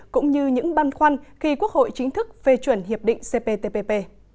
cũng như những băn khoăn khi quốc hội chính thức phê chuẩn hiệp định cptpp